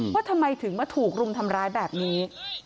ว่าทำไมถึงมาถูกรุมทำร้ายแบบนี้